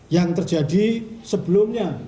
yang terjadi sebelumnya